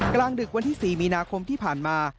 กลางดึกวันที่๔มีนาคมที่ผ่านมา